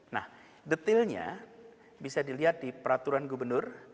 nah detailnya bisa dilihat di peraturan gubernur